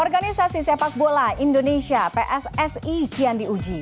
organisasi sepak bola indonesia pssi kian diuji